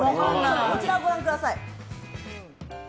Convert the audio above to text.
こちら、ご覧ください。